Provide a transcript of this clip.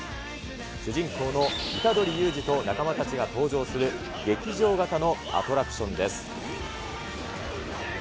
主人公の虎杖悠仁と仲間たちが登場する劇場型のアトラクションです。